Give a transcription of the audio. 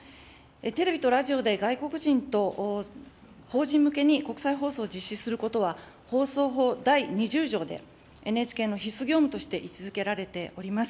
テレビとラジオで外国人と邦人向けに国際放送を実施することは、放送法第２０条で、ＮＨＫの必須業務として位置づけられております。